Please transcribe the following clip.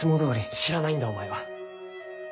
知らないんだお前は。